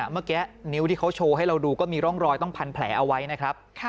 เมื่อกี้นิ้วที่เขาโชว์ให้เราดูก็มีร่องรอยต้องพันแผลเอาไว้นะครับ